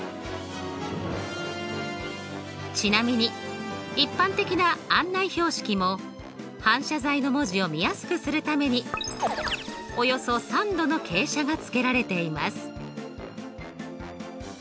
ちなみに一般的な案内標識も反射材の文字を見やすくするためにおよそ３°の傾斜がつけられています。